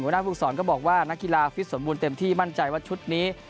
หน้าภูมิศรก็บอกว่านักกีฬาฟิตสมบูรณ์เต็มที่มั่นใจว่าชุดนี้